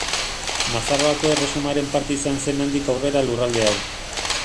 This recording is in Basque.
Nafarroako Erresumaren parte izan zen handik aurrera lurralde hau.